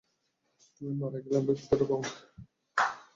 তুমি মারা গেলে আমি খাতাটা পাব না।